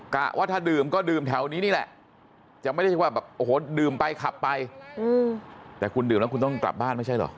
ว่าถ้าดื่มก็ดื่มแถวนี้นี่แหละจะไม่ได้ว่าแบบโอ้โหดื่มไปขับไปแต่คุณดื่มแล้วคุณต้องกลับบ้านไม่ใช่เหรอ